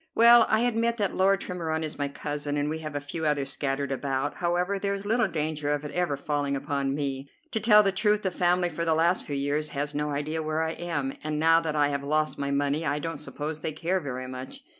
"Well; I admit that Lord Tremorne is my cousin, and we have a few others scattered about. However, there's little danger of it ever falling upon me. To tell the truth, the family for the last few years has no idea where I am, and now that I have lost my money I don't suppose they care very much.